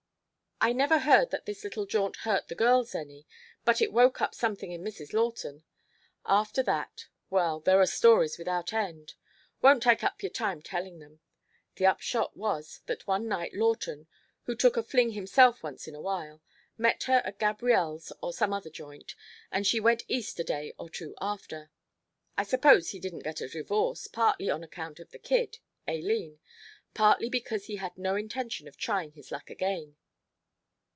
"I never heard that this little jaunt hurt the girls any, but it woke up something in Mrs. Lawton. After that well, there are stories without end. Won't take up your time tellin' them. The upshot was that one night Lawton, who took a fling himself once in a while, met her at Gabrielle's or some other joint, and she went East a day or two after. I suppose he didn't get a divorce, partly on account of the kid Aileen partly because he had no intention of trying his luck again."